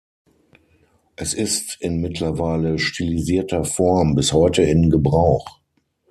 Es ist in mittlerweile stilisierter Form bis heute in Gebrauch.